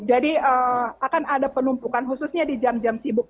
jadi akan ada penumpukan khususnya di jam jam sibuk